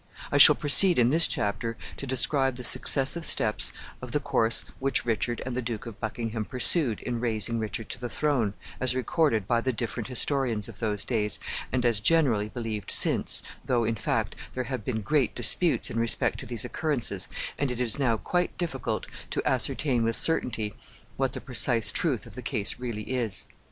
I shall proceed in this chapter to describe the successive steps of the course which Richard and the Duke of Buckingham pursued in raising Richard to the throne, as recorded by the different historians of those days, and as generally believed since, though, in fact, there have been great disputes in respect to these occurrences, and it is now quite difficult to ascertain with certainty what the precise truth of the case really is.